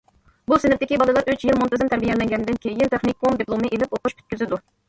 بۇ سىنىپتىكى بالىلار ئۈچ يىل مۇنتىزىم تەربىيەلەنگەندىن كېيىن تېخنىكوم دىپلومى ئېلىپ ئوقۇش پۈتكۈزىدۇ.